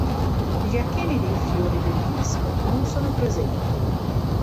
Gli acheni dei fiori del disco non sono presenti.